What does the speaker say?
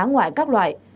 ngoài các loại